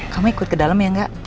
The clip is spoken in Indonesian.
kamu ikut ke dalam ya enggak